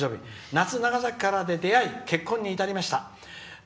「夏・長崎から」で出会い結婚に至りました。